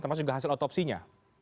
termasuk juga hasil otopsinya